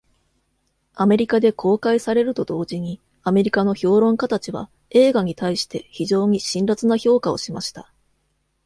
アメリカで公開されると同時に、アメリカの評論家たちは映画に対して非常に辛辣な評価をしました。